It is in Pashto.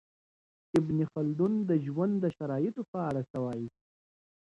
ابن خلدون د ژوند د شرایطو په اړه څه وايي؟